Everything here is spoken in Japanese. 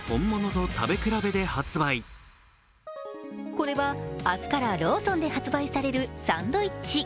これは、明日からローソンで発売されるサンドイッチ。